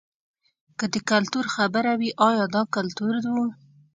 که د کلتور خبره وي ایا دا کلتور و.